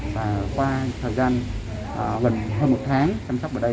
và qua thời gian gần hơn một tháng chăm sóc ở đây